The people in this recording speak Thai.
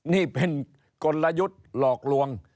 นี่เป็นกลยุทธ์หลอกลวง